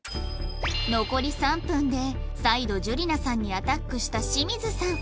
残り３分で再度じゅりなさんにアタックした清水さん